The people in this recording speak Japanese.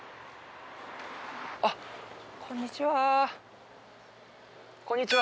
あっこんにちは